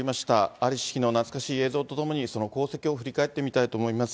ありし日の懐かしい映像とともに、その功績を振り返ってみたいと思います。